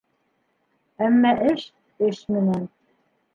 Әммә эш - эш менән.